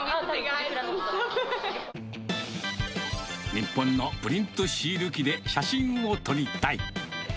日本のプリントシール機で写真を撮りたい。